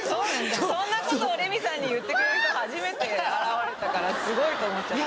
そんなことをレミさんに言ってくれる人初めて現れたからすごいと思っちゃって。